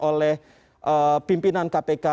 oleh pimpinan kpk